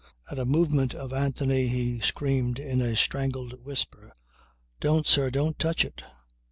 At a movement of Anthony he screamed in a strangled whisper. "Don't, sir! Don't touch it."